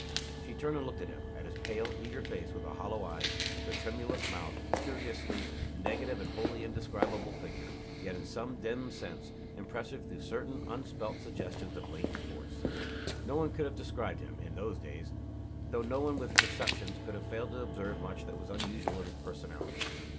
She turned and looked at him at his pale, eager face with the hollow eyes, the tremulous mouth a curiously negative and wholly indescribable figure, yet in some dim sense impressive through certain unspelt suggestions of latent force. No one could have described him, in those days, though no one with perceptions could have failed to observe much that was unusual in his personality.